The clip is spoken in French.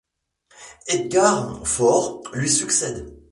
Edgar Faure lui succède.